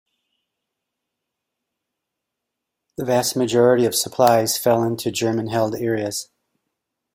The vast majority of supplies fell into German-held areas.